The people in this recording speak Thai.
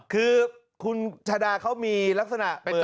คือคุณชาดาเขามีลักษณะเป็น